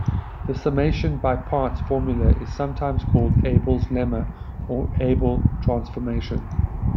The summation by parts formula is sometimes called Abel's lemma or Abel transformation.